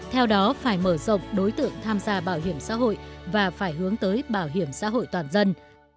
theo đó phải mở rộng đối tượng tham gia bảo hiểm xã hội và phải hướng tới bảo hiểm xã hội toàn dân